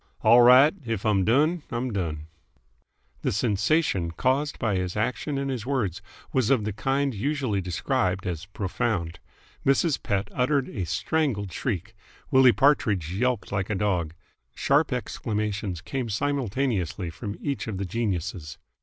"All right! If I'm done, I'm done!" The sensation caused by his action and his words was of the kind usually described as profound. Mrs. Pett uttered a strangled shriek. Willie Partridge yelped like a dog. Sharp exclamations came simultaneously from each of the geniuses.